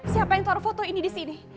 siapa yang taruh foto ini disini